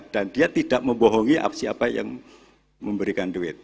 dan dia tidak membohongi siapa yang memberikan duit